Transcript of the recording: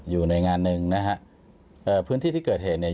หน่วยงานหนึ่งนะฮะเอ่อพื้นที่ที่เกิดเหตุเนี่ย